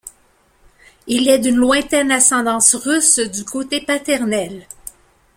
Il est d’une lointaine ascendance russe du côté paternel.